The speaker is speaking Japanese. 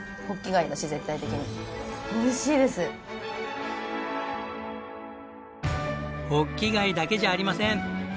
ホッキ貝だけじゃありません。